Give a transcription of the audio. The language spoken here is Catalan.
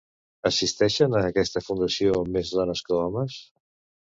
Assisteixen a aquesta fundació més dones que homes?